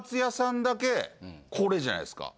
これじゃないですか。